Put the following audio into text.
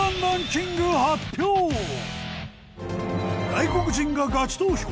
外国人がガチ投票！